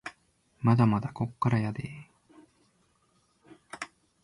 まだまだこっからやでぇ